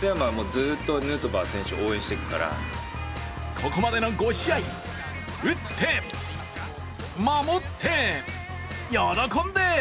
ここまでの５試合、打って、守って、喜んで。